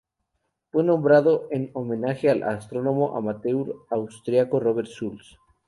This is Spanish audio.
Fue nombrado en homenaje al astrónomo amateur austríaco Robert Schulz.